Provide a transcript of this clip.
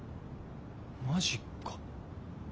マジか。